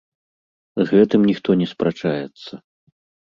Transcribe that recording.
З гэтым ніхто не спрачаецца.